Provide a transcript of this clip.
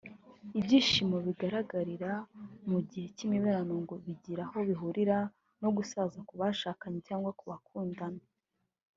Ibyishimo bigaragara mu gihe cy’imibonano ngo bigira aho bihurira no gusaza ku bashakanye cyangwa abakundana